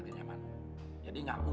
terima kasih mas